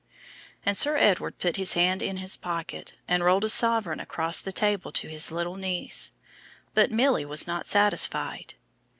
And Sir Edward put his hand in his pocket, and rolled a coin across the table to his little niece. But Milly was not satisfied.